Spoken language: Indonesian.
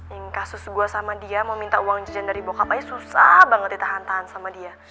yang kasus gue sama dia mau minta uang jajan dari bokap aja susah banget ditahan tahan sama dia